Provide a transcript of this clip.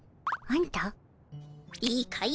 いいかい？